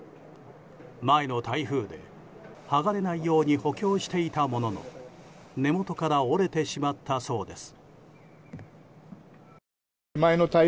前の台風で剥がれないように補強していたものの根元から折れてしまったそうです。